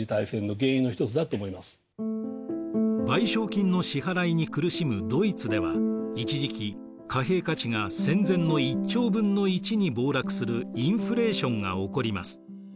賠償金の支払いに苦しむドイツでは一時期貨幣価値が戦前の１兆分の１に暴落するインフレーションが起こります。